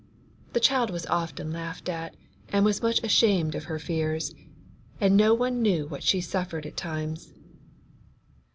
The child was often laughed at, and was much ashamed of her fears, and no one knew what she suffered at times.